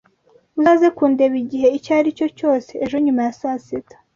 Uzaze kundeba igihe icyo ari cyo cyose ejo nyuma ya saa sita.